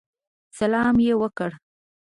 سلام یې وکړ.